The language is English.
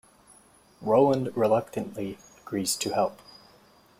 Roland reluctantly agrees to help.